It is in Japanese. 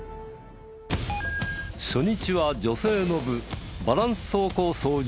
初日は女性の部バランス走行操縦競技。